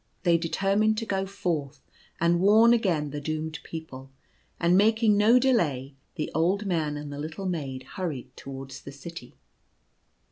They determined to go forth and warn again the doomed people ; and making no delay, the old man and the little maid hurried towards the city.